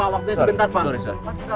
waktunya sebentar pak